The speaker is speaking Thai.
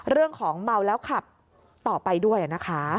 เรื่องของเมาแล้วขับต่อไปด้วยนะคะ